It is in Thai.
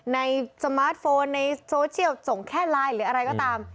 สมาร์ทโฟนในโซเชียลส่งแค่ไลน์หรืออะไรก็ตาม